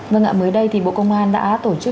vâng ạ mới đây thì bộ công an đã tổ chức